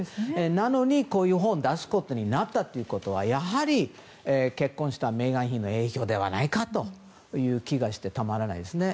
なのに、こういう本を出すことになったのはやはり、結婚したメーガン妃の影響ではないかという気がしてたまらないですね。